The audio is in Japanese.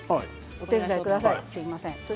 お手伝いください。